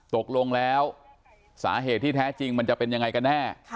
ตกลงแล้วสาเหตุที่แท้จริงมันจะเป็นยังไงกันแน่